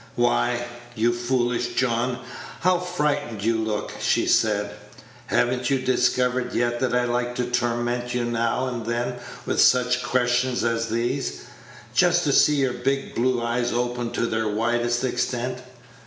"Why, you foolish John, how frightened you look!" she said. "Have n't you discovered yet that I like to torment you now and then with such questions as these, just to see your big blue eyes open to their widest extent?